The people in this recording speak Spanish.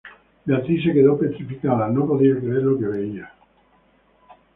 Beatriz se quedó petrificada, no podía creer lo que veía.